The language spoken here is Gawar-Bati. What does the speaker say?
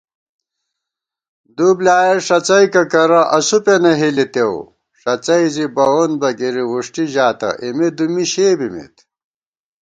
دُو بۡلیایا ݭڅَئیکہ کرہ اسُو پېنہ ہِلِتېؤ * ݭڅَئی زِی بَوون بہ گِری وُݭٹی ژاتہ اېمےدُمّی شےبِمېت